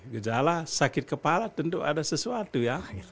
gejala sakit kepala tentu ada sesuatu ya